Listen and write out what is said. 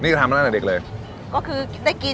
คนที่มาทานอย่างเงี้ยควรจะมาทานแบบคนเดียวนะครับ